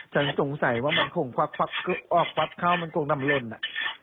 ฉันสงสัยว่ามันคงควักออกฟัดเข้ามันคงน้ำล้นอ่ะ